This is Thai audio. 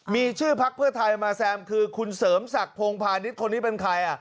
มีชื่อพักเพื่อไทยมาแซมคือคุณเสริมศักดิ์พงพาณิชย์คนนี้เป็นใคร